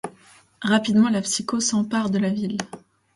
Rapidement la psychose s'empare de la ville.